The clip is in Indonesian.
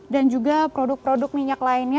dan juga produk produk minyak lain